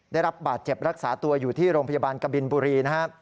ได้รับบาดเจ็บรักษาตัวอยู่ที่โรงพยาบาลกบินบุรีนะครับ